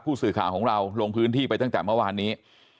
ผู้สื่อข่าวของเราลงพื้นที่ไปตั้งแต่เมื่อวานนี้